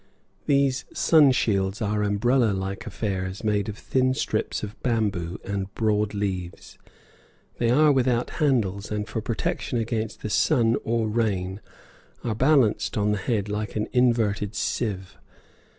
These sun shields are umbrella like affairs made of thin strips of bamboo and broad leaves; they are without handles, and for protection against the sun or rain are balanced on the head like an inverted sieve.